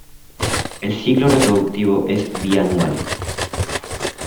El ciclo reproductivo es bianual.